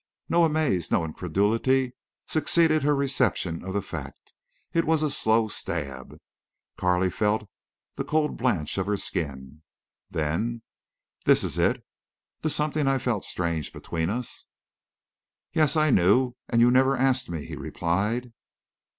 No amaze, no incredulity succeeded her reception of the fact. It was a slow stab. Carley felt the cold blanch of her skin. "Then—this is it—the something I felt strange between us?" "Yes, I knew—and you never asked me," he replied.